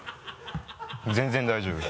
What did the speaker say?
全然大丈夫です。